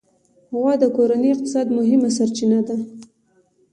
غوا د کورني اقتصاد مهمه سرچینه ده.